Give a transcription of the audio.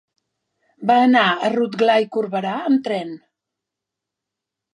Va anar a Rotglà i Corberà amb tren.